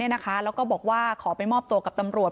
แล้วก็บอกว่าขอไปมอบตัวกับตำรวจ